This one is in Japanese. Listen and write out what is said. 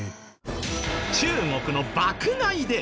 中国の爆買いで